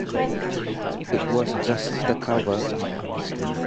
It was just the cover.